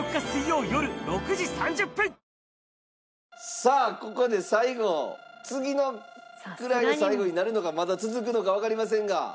さあここで最後次の位が最後になるのかまだ続くのかわかりませんが。